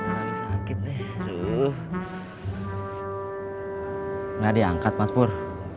nggak diangkat mas pur